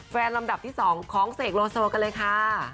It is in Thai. ลำดับที่๒ของเสกโลโซกันเลยค่ะ